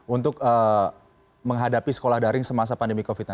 untuk menghadapi sekolah daring semasa pandemi covid sembilan belas